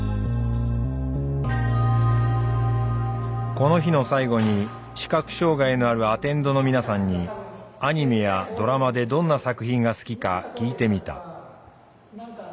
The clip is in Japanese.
この日の最後に視覚障害のあるアテンドの皆さんにアニメやドラマでどんな作品が好きか聞いてみた。